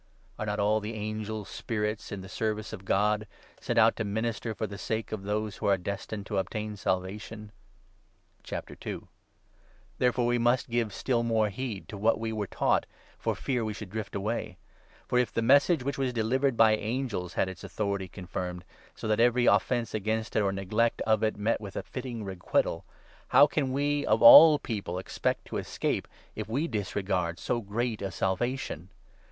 Are not all the angels spirits in the service of God, sent out to 14 minister for the sake of those who are destined to obtain Salvation ? Therefore we must give still more heed to what we were i taught, for fear we should drift away. For, if the Message 2 which was delivered by angels had its authority confirmed, so that every offence against it, or neglect of it, met with a fitting requital, how can we, of all people, expect to escape, if 3 we disregard so great a Salvation